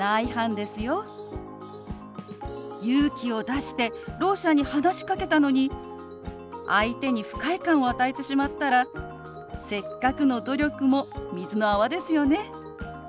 勇気を出してろう者に話しかけたのに相手に不快感を与えてしまったらせっかくの努力も水の泡ですよね。